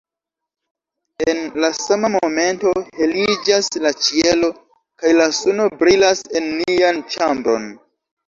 En la sama momento heliĝas la ĉielo kaj la suno brilas en nian ĉambron.